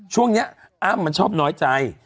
ตอนนี้อ้ามมันชอบน้อยใจ